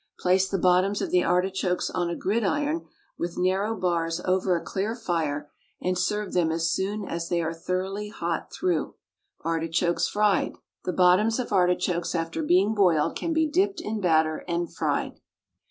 Place the bottoms of the artichokes on a gridiron with narrow bars over a clear fire, and serve them as soon a they are thoroughly hot through. ARTICHOKES, FRIED. The bottoms of artichokes after being boiled can be dipped in batter and fried.